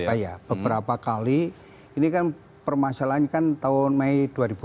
sudah beberapa kali ini kan permasalahannya kan tahun mei dua ribu enam belas